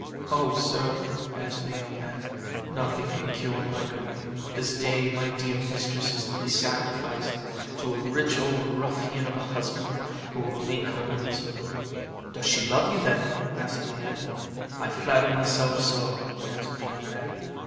"Oh, sir," answered the young man, "nothing can cure my grief; this day my dear mistress is to be sacrificed to a rich old ruffian of a husband who will make her miserable." "Does she love you then?" asked Leander. "I flatter myself so," answered the young man.